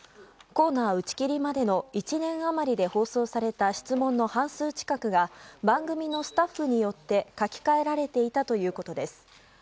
コーナー打ち切りまでの１年余りで放送された質問の半数近くが番組のスタッフによって書き換えられていたということです。